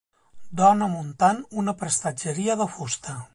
Dona muntant una prestatgeria de fusta.